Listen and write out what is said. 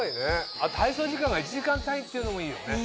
あと配送時間が１時間単位っていうのもいいよね。